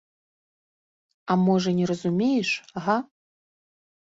А можа, не разумееш, га?